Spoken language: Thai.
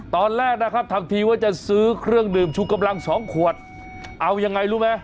ตอนแรกนะครับทำทีว่าจะซื้อเครื่องดื่มชูกำลังสองขวดเอายังไงรู้ไหม